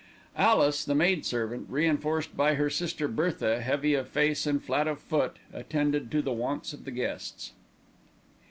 Alice, the maid servant, reinforced by her sister Bertha, heavy of face and flat of foot, attended to the wants of the guests.